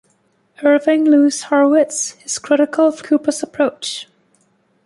Irving Louis Horowitz is critical of Kuper's approach.